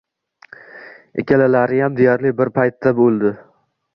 Ikkalalariyam deyarli bir paytda oʻldi